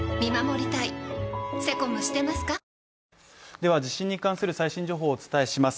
では地震に関する最新情報をお伝えします。